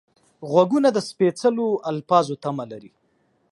غوږونه د سپېڅلو الفاظو تمه لري